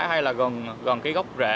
hay là gần gốc rễ